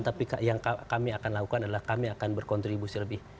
tapi yang kami akan lakukan adalah kami akan berkontribusi lebih